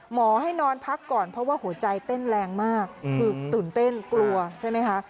หมอให้นอนพักก่อนเพราะว่าหัวใจเต้นแรงมากคือตื่นเต้นกลัวใช่ไหมคะ